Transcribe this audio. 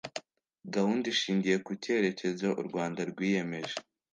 gahunda ishingiye ku cyerekezo u rwanda rwiyemeje